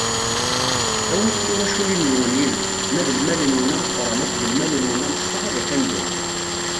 Awit tiwaculin-nwen yid-wen, ma d lmal-nwen ameqran akked lmal-nwen amecṭuḥ ad iqqim dagi.